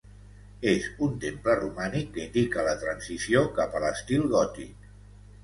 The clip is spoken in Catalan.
És un temple romànic que indica la transició cap a l'estil gòtic.